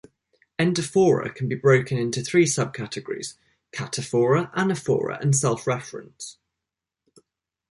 Endophora can be broken into three subcategories: cataphora, anaphora and self-reference.